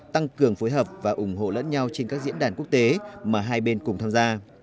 tăng cường phối hợp và ủng hộ lẫn nhau trên các diễn đàn quốc tế mà hai bên cùng tham gia